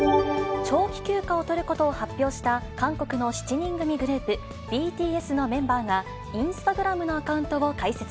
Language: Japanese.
長期休暇を取ることを発表した韓国の７人組グループ、ＢＴＳのメンバーが、インスタグラムのアカウントを開設。